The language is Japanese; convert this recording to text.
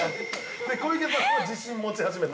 ◆小池さん、自信を持ち始めた。